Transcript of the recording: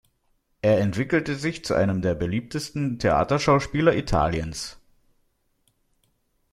Er entwickelte sich zu einem der beliebtesten Theaterschauspieler Italiens.